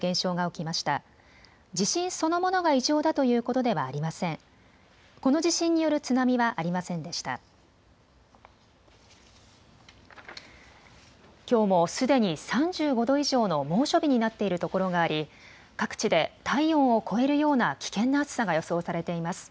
きょうもすでに３５度以上の猛暑日になっているところがあり各地で体温を超えるような危険な暑さが予想されています。